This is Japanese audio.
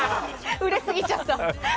売れすぎちゃった。